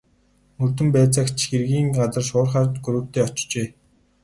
Мөрдөн байцаагч хэргийн газар шуурхай групптэй очжээ.